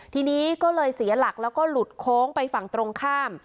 ทีนี้ก็เลยเสียหลักแล้วก็หลุดโค้งไปฝั่งตรงข้าม